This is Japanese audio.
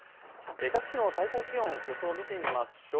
各地の最高気温、予想見てみましょう。